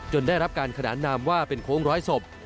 ได้รับการขนานนามว่าเป็นโค้งร้อยศพ